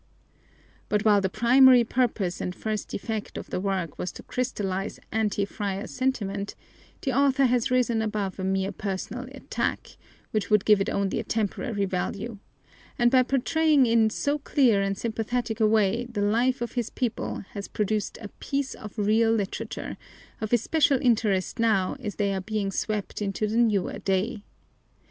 But while the primary purpose and first effect of the work was to crystallize anti friar sentiment, the author has risen above a mere personal attack, which would give it only a temporary value, and by portraying in so clear and sympathetic a way the life of his people has produced a piece of real literature, of especial interest now as they are being swept into the newer day.